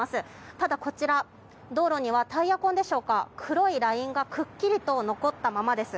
ただこちら、道路にはタイヤ痕でしょうか黒いラインがくっきりと残ったままです。